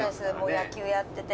野球やってて。